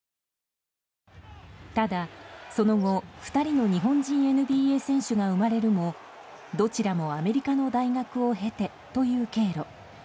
ただ、その後２人の日本人ＮＢＡ選手が生まれるもどちらもアメリカの大学を経てという経路。